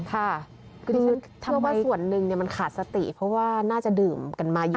ค่ะคือดิฉันทำว่าส่วนหนึ่งมันขาดสติเพราะว่าน่าจะดื่มกันมาเยอะ